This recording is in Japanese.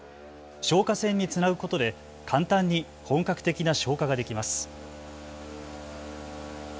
消火栓につなぐことで簡単に本格的な消火ができます。